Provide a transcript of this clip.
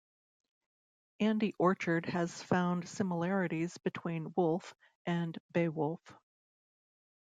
Andy Orchard has found similarities between Wulf and "Beowulf".